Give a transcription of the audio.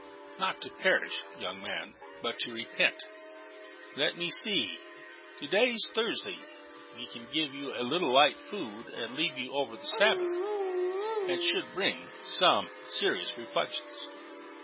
"Not to perish, young man, but to repent. Let me see: to day's Thursday; we can give you a little light food, and leave you over the Sabbath; it's a good day, and should bring serious reflections.